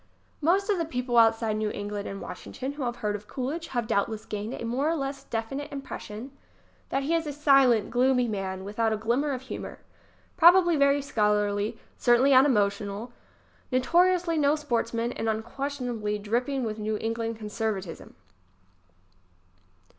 Most of the people outside New England and Washington who have heard of Coolidge have doubtless gained a more or less definite impression chat he is a silent, gloomy man without a glimmer of humor, probably very scholarly, certainly un emotional, notoriously no sportsman and unques tionably dripping with New England conservatism.